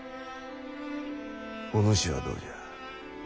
お主はどうじゃ？